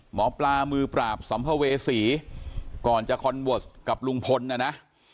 หมอปลามือปราบสัมภเวษีก่อนจะคอนเวิร์สกับลุงพลนะนะ